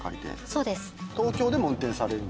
そうです。